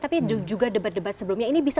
tapi juga debat debat sebelumnya ini bisa